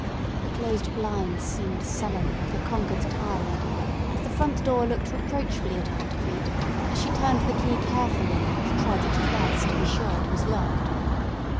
The closed blinds seemed sullen like a conquered tyrant, and the front door looked reproachfully at Aunt Crete as she turned the key carefully and tried it twice to be sure it was locked.